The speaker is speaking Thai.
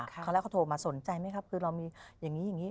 ครั้งแรกเขาโทรมาสนใจไหมครับคือเรามีอย่างนี้อย่างนี้